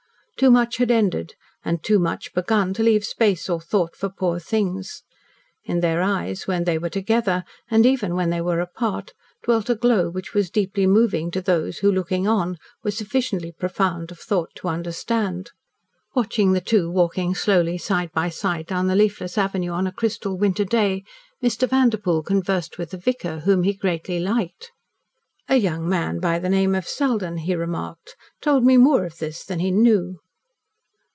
Too much had ended, and too much begun, to leave space or thought for poor things. In their eyes, when they were together, and even when they were apart, dwelt a glow which was deeply moving to those who, looking on, were sufficiently profound of thought to understand. Watching the two walking slowly side by side down the leafless avenue on a crystal winter day, Mr. Vanderpoel conversed with the vicar, whom he greatly liked. "A young man of the name of Selden," he remarked, "told me more of this than he knew."